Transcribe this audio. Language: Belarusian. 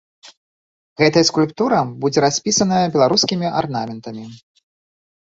Гэтая скульптура будзе распісаная беларускімі арнаментамі.